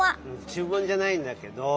ちゅう文じゃないんだけど。